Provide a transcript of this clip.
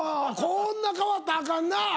こんな変わったらあかんな。